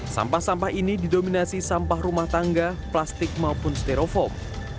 sampah sampah ini didominasi sampah rumah tangga plastik maupun stereofoam